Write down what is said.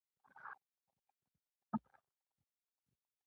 د کندهار اداره د صفویانو او بابریانو تر منځ د اختلاف وه.